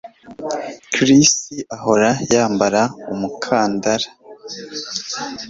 Chris ahora yambara umukandara